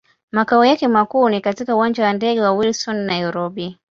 Makao yake makuu ni katika Uwanja wa ndege wa Wilson, Nairobi.